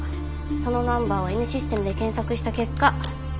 そのナンバーをＮシステムで検索した結果。